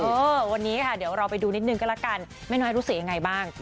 เออวันนี้ค่ะเดี๋ยวเราไปดูนิดนึงก็แล้วกันแม่น้อยรู้สึกยังไงบ้าง